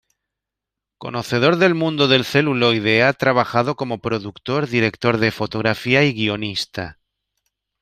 Conocedor del mundo del celuloide, ha trabajado como productor, director de fotografía y guionista.